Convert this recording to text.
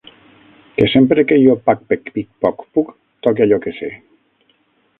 Que sempre que jo pac, pec, pic, poc, puc, toque allò que sé.